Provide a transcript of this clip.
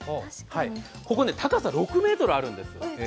ここね、高さ６ｍあるんですね。